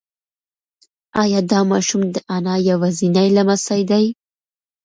ایا دا ماشوم د انا یوازینی لمسی دی؟